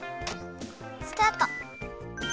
スタート！